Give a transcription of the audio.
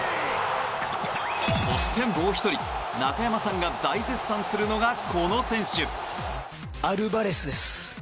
そして、もう１人中山さんが大絶賛するのがこの選手。